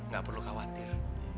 gak perlu khawatir